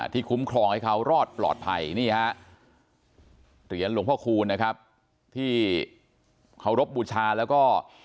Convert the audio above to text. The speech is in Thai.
คุ้มครองให้เขารอดปลอดภัยนี่ฮะเหรียญหลวงพ่อคูณนะครับที่เคารพบูชาแล้วก็